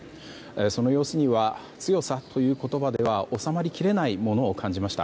その様子には強さという言葉では収まり切れないものを感じました。